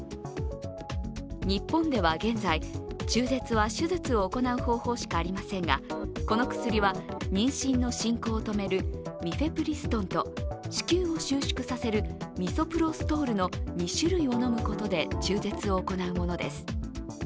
日本では現在、中絶は手術を行う方法しかありませんがこの薬は妊娠の進行を止めるミフェプリストンと子宮を収縮させるミソプロストールの２種類を飲むことで中絶を行うものです。